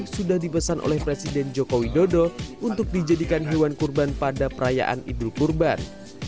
sudah dipesan oleh presiden joko widodo untuk dijadikan hewan kurban pada perayaan idul kurban